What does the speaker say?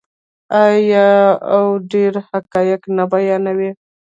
آیا او ډیر حقایق نه بیانوي؟